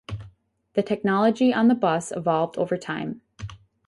The technology on the bus evolved over time.